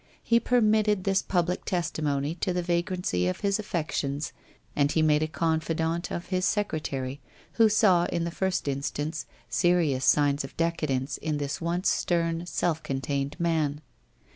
He permitted this public testimony to the va grancy of his affections and he made a confidant of his secre tary, who saw in the first instance serious signs of decadence in this once stern, self contained man.